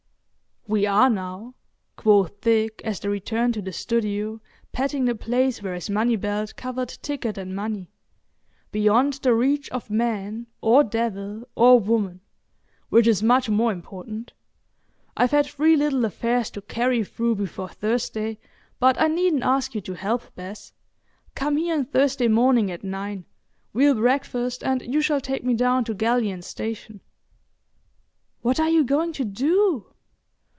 "We are now," quoth Dick, as they returned to the studio, patting the place where his money belt covered ticket and money, "beyond the reach of man, or devil, or woman—which is much more important. I've had three little affairs to carry through before Thursday, but I needn't ask you to help, Bess. Come here on Thursday morning at nine. We'll breakfast, and you shall take me down to Galleons Station." "What are you going to do?"